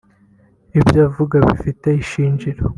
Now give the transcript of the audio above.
Ibyo uvuga bifite ishingiro